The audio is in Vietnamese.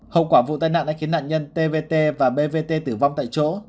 hậu quả vụ tai nạn đã khiến nạn nhân tvt và bvt tử vong tại chỗ